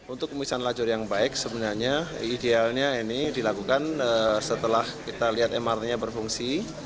untuk pemisahan lajur yang baik sebenarnya idealnya ini dilakukan setelah kita lihat mrt nya berfungsi